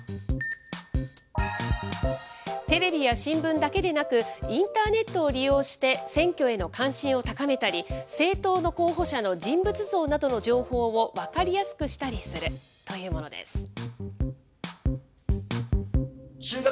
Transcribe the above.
テレビや新聞だけでなく、インターネットを利用して、選挙への関心を高めたり、政党の候補者の人物像などの情報を分かりやすくしたりするというものです。